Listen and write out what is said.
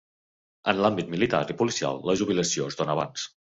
En l'àmbit militar i policial la jubilació es dóna abans.